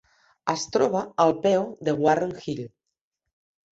Es troba al peu de Warren Hill.